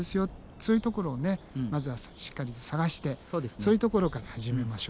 そういうところをまずはしっかりと探してそういうところから始めましょう。